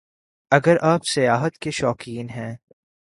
اگر آپ سیاحت کے شوقین ہیں